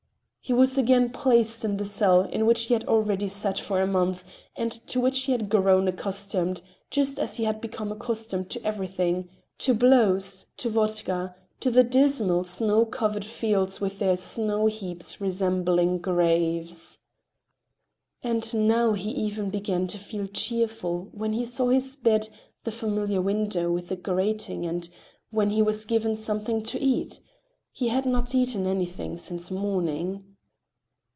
He was again placed in the cell in which he had already sat for a month and to which he had grown accustomed, just as he had become accustomed to everything: to blows, to vodka, to the dismal, snow covered fields, with their snow heaps resembling graves. And now he even began to feel cheerful when he saw his bed, the familiar window with the grating, and when he was given something to eat—he had not eaten anything since morning.